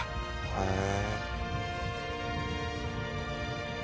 「へえ」